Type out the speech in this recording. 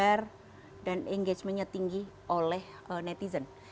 di share dan engagementnya tinggi oleh netizen